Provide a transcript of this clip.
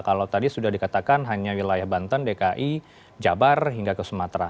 kalau tadi sudah dikatakan hanya wilayah banten dki jabar hingga ke sumatera